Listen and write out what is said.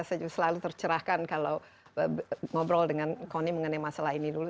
saya juga selalu tercerahkan kalau ngobrol dengan kony mengenai masalah ini dulu